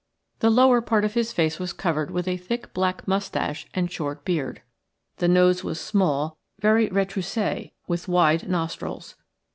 The lower part of his face was covered with a thick black moustache and short beard. The nose was small, very retroussé with wide nostrils.